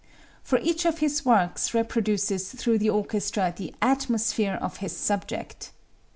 For each of his works reproduces through the orchestra the "atmosphere" of its subject.